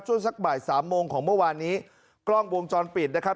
สักบ่ายสามโมงของเมื่อวานนี้กล้องวงจรปิดนะครับ